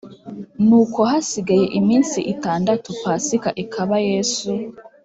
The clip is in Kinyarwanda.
Nuko hasigaye iminsi itandatu Pasika ikaba Yesu